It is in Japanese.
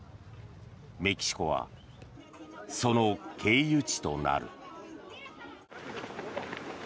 メキシコは、その経由地となる。